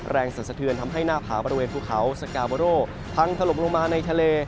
สันสะเทือนทำให้หน้าผาบริเวณภูเขาสกาโบโรพังถล่มลงมาในทะเล